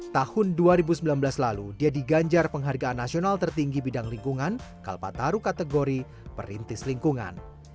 tahun dua ribu sembilan belas lalu dia diganjar penghargaan nasional tertinggi bidang lingkungan kalpataru kategori perintis lingkungan